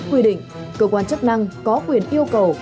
quy định cơ quan chức năng có quyền yêu cầu